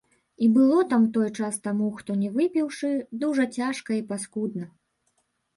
І было там у той час таму, хто не выпіўшы, дужа цяжка і паскудна.